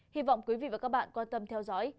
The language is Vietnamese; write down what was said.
hy vọng quý vị và các bạn quan tâm theo dõi